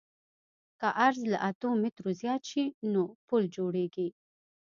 که عرض له اتو مترو زیات شي نو پل جوړیږي